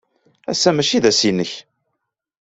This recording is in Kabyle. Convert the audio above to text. Ass-a maci d ass-nnek.